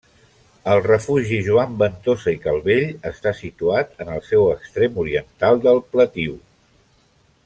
El Refugi Joan Ventosa i Calvell està situat en el seu extrem oriental del pletiu.